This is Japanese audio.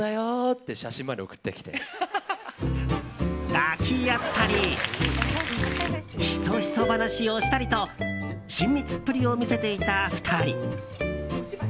抱き合ったりひそひそ話をしたりと親密っぷりを見せていた２人。